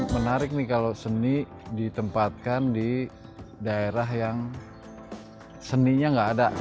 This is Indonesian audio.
menarik nih kalau seni ditempatkan di daerah yang seninya nggak ada